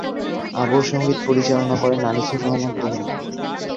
আবহ সংগীত পরিচালনা করেন আনিসুর রহমান তনু।